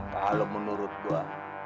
kalo menurut gua